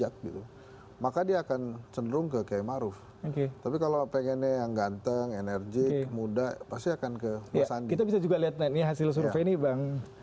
kita bisa juga lihat hasil survei ini bang